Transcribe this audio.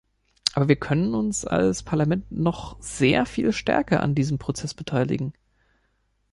Aber wir können uns als Parlament noch sehr viel stärker an diesem Prozess beteiligen.